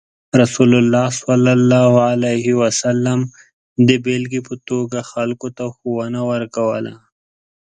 رسول الله صلى الله عليه وسلم د بیلګې په توګه خلکو ته ښوونه ورکوله.